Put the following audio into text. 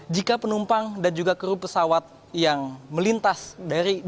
jika penumpang dan juga kru pesawat yang melintas dari